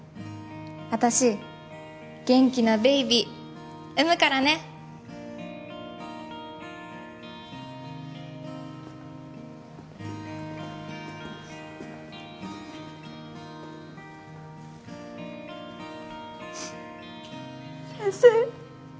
私元気なベイビー産むからね先生